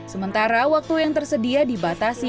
sementara waktu yang tersedia di batangkabung